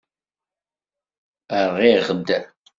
Rɣiɣ-d.